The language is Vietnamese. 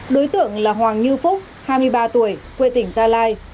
đối tượng là hoàng như phúc hai mươi ba tuổi quê tỉnh gia lai